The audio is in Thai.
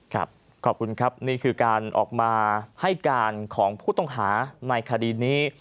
ครับขอบคุณครับนี่คือการออกมาให้การของผู้ต้องหาในคดีนี้